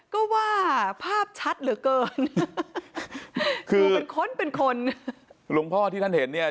ก็ว่าภาพชัดเหลือเกินคือเป็นคนเป็นคนหลวงพ่อที่ท่านเห็นเนี่ย